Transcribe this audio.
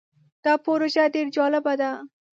دا پروژه ډیر جالبه ده.